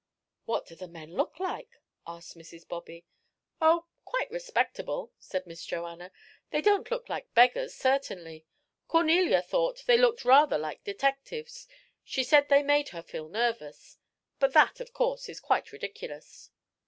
"What do the men look like?" asked Mrs. Bobby. "Oh, quite respectable," said Miss Joanna. "They don't look like beggars, certainly. Cornelia thought they looked rather like detectives she said they made her feel nervous; but that, of course, is quite ridiculous."